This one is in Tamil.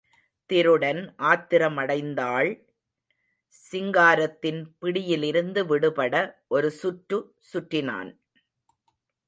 திருடன் ஆத்திரமடைந்தாள் சிங்காரத்தின் பிடியிலிருந்து விடுபட ஒரு சுற்று சுற்றினான்.